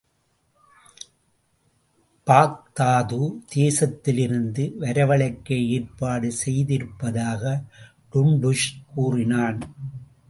பாக்தாது தேசத்திலிருந்து வரவழைக்க ஏற்பாடு செய்திருப்பதாக டுன்டுஷ் கூறினான்.